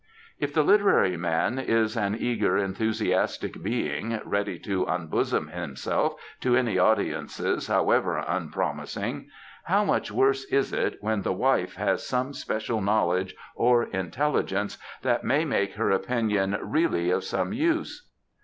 '' K the literary man is an eager, enthusiastic being, ready to unbosom himself to any audience however unpromising, how much worse is it when the wife has some special know ledge or intelligence that may make her opinion really of some use.